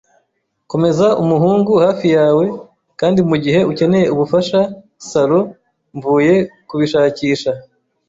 komeza umuhungu hafi yawe, kandi mugihe ukeneye ubufasha, salo. Mvuye kubishakisha